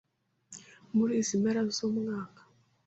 muri izi mpera z’umwaka